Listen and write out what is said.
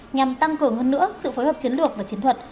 nhằm tăng cường hơn nữa sự phối hợp chiến lược và chiến thuật